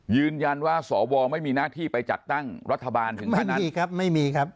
ยืนยันว่าสวไม่มีหน้าที่ไปจัดตั้งรัฐบาลถึงขั้นนั้นไม่มีครับไม่มีครับ